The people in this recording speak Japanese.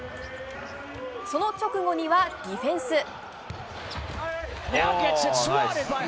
その直後にはディフェンス。